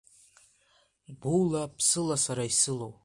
Гәыла, ԥсыла сара исылоу.